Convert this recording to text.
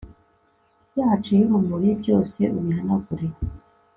yacu y'urumuri byose ubihanagure